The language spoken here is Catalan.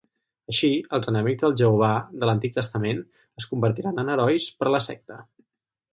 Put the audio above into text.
Així, els enemics del Jehovà de l'Antic Testament es convertiran en herois per la secta.